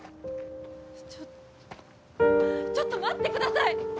ちょっとちょっと待ってください